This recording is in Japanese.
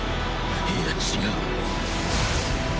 いいや違う